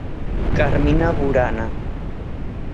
Carmina Burana.